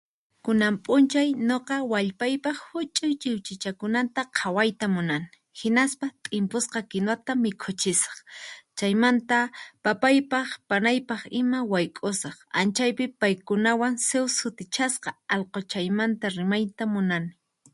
Kunan p'unchay nuqa wallpaypaq huch'uy chiwchichankunata qhawayta munani, hinaspa t'impuska kinuwata miqhuchisaq, chaymanta papaypaq, panaypaq ima wayk'usaq anchaypi paykunawan zeus sutichasqa allquchaymanta rimayta munani.